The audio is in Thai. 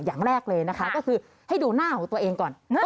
อย่างแรกเลยนะคะก็คือให้ดูหน้าของตัวเองก่อน